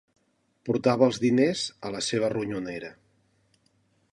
Portava els diners a la seva ronyonera